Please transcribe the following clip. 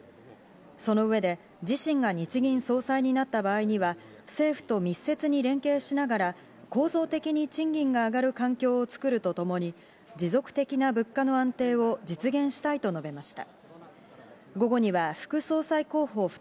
その上で自身が日銀総裁になった場合には、政府と密接に連携しながら構造的に賃金が上がる環境を作るとともに、持続的な物価の安定を実現したいと述べました。